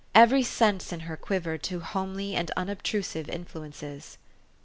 Every sense in her quivered to homely and unobtrusive influences.